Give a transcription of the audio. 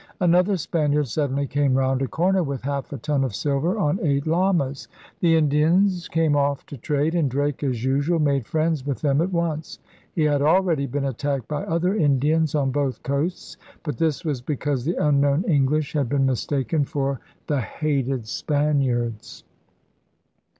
An other Spaniard suddenly came round a corner with half a ton of silver on eight llamas. The Indians came off to trade; and Drake, as usual, made friends with them at once. He had already been attacked by other Indians on both coasts. But this was because the unknown English had been mistaken for the hated Spaniards.